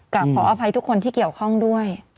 ขออภัยทุกคนที่เกี่ยวข้องด้วย